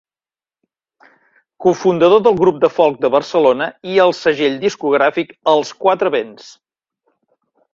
Cofundador del Grup de Folk de Barcelona i el segell discogràfic Als quatre vents.